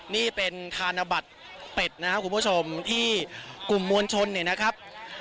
นี่เป็นธนบัตรเป็ดนะครับคุณผู้ชมที่กลุ่มมวลชนเนี่ยนะครับ